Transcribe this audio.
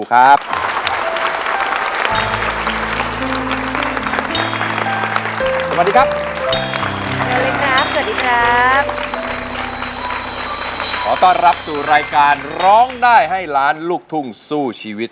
ขอต้อนรับสู่รายการร้องได้ให้ล้านลูกทุ่งสู้ชีวิต